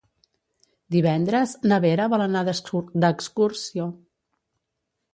Divendres na Vera vol anar d'excursió.